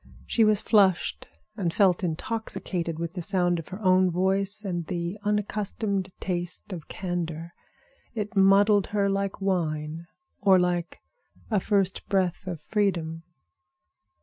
She was flushed and felt intoxicated with the sound of her own voice and the unaccustomed taste of candor. It muddled her like wine, or like a first breath of freedom.